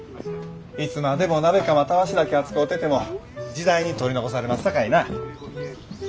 いつまでも鍋釜たわしだけ扱うてても時代に取り残されますさかいな。